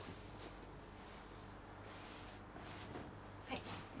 はい。